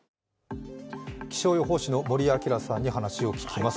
気象予報士の森朗さんに話を聞きます。